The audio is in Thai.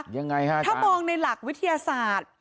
ถ้ามองในหลักวิทยาศาสตร์